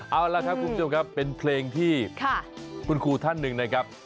เอาล่ะครับคุณผู้ชมครับเป็นเพลงที่คุณครูท่านหนึ่งนะครับ